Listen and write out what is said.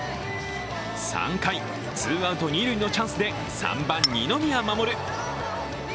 ３回、ツーアウト二塁のチャンスで３番・二宮士。